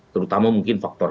terutama mungkin faktor